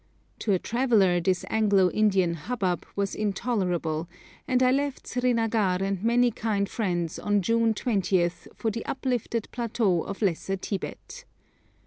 To a traveller this Anglo Indian hubbub was intolerable, and I left Srinagar and many kind friends on June 20 for the uplifted plateaux of Lesser Tibet.